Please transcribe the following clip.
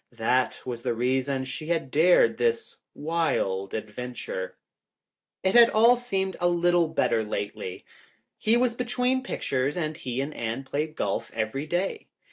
That was the reason she had dared this wild adventure. It had all seemed a little better lately. He was between pictures and he and Anne played golf every day.